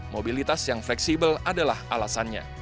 mobilitas yang fleksibel adalah alasannya